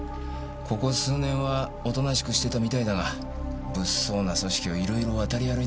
ここ数年はおとなしくしてたみたいだが物騒な組織をいろいろ渡り歩いてやがる。